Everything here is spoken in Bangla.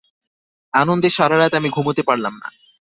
আনন্দে সারারাত আমি ঘুমুতে পারলাম না।